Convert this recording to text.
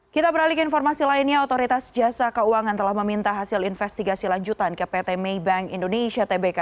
kita beralih ke informasi lainnya otoritas jasa keuangan telah meminta hasil investigasi lanjutan ke pt maybank indonesia tbk